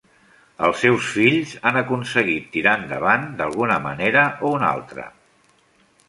Els seus fills han aconseguit tirar endavant d'alguna manera o una altra.